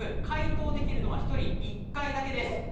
解答できるのは１人１回だけです。